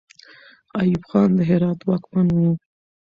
ایوب خان د هرات واکمن وو.